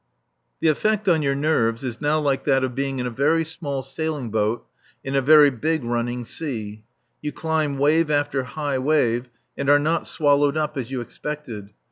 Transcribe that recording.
The effect on your nerves is now like that of being in a very small sailing boat in a very big running sea. You climb wave after high wave, and are not swallowed up as you expected.